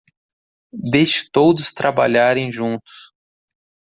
Deixe todos trabalharem juntos